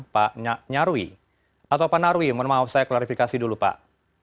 pak nyarwi atau pak narwi mohon maaf saya klarifikasi dulu pak